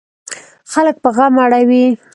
خلک په غم اړوي.